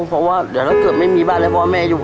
เพราะว่าเดี๋ยวถ้าเกิดไม่มีบ้านแล้วพ่อแม่อยู่